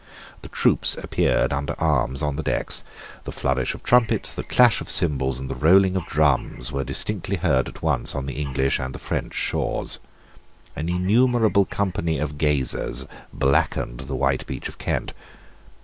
The troops appeared under arms on the decks. The flourish of trumpets, the clash of cymbals, and the rolling of drums were distinctly heard at once on the English and French shores. An innumerable company of gazers blackened the white beach of Kent.